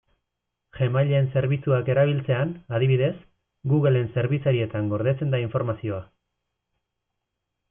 Gmail-en zerbitzuak erabiltzean, adibidez, Google-en zerbitzarietan gordetzen da informazioa.